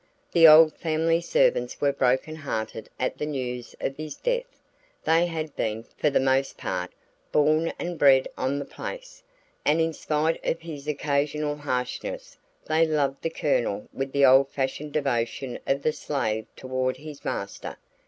"The old family servants were broken hearted at the news of his death. They had been, for the most part, born and bred on the place, and in spite of his occasional harshness they loved the Colonel with the old fashioned devotion of the slave toward his master.